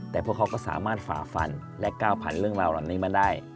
แต่พวกเขาก็สามารถฝ่าฟันและก้าวผ่านเรื่องราวเหล่านี้มาได้